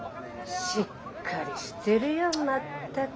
しっかりしてるよ全く。